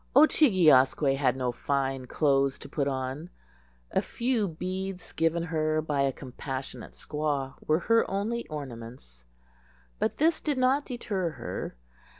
Oo chig e asque had no fine clothes to put on. A few beads given her by a compassionate squaw were her only ornaments. But this did not deter her.